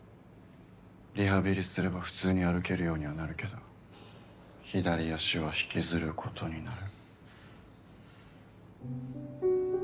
リハビリすれば普通に歩けるようにはなるけど左足は引きずることになる。